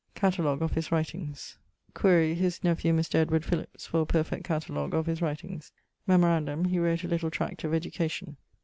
<_Catalogue of his writings._> Quaere his nephew, Mr. Edward Philips, for a perfect catalogue of his writings. Memorandum, he wrote a little tract of education.